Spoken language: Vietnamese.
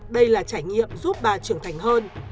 đây là trải nghiệm giúp bà trưởng thành hơn